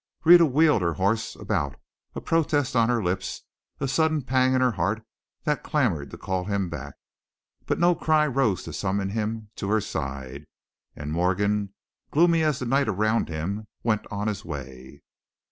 Rhetta wheeled her horse about, a protest on her lips, a sudden pang in her heart that clamored to call him back. But no cry rose to summon him to her side, and Morgan, gloomy as the night around him, went on his way.